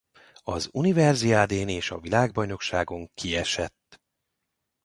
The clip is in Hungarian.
Az universiaden és a világbajnokságon kiesett.